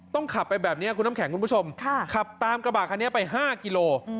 ขับไปแบบนี้คุณน้ำแข็งคุณผู้ชมขับตามกระบะคันนี้ไป๕กิโล